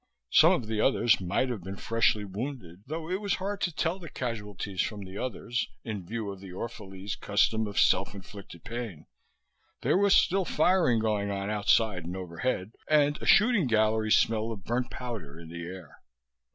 Some of the others might have been freshly wounded, though it was hard to tell the casualties from the others in view of the Orphalese custom of self inflicted pain. There was still firing going on outside and overhead, and a shooting gallery smell of burnt powder in the air.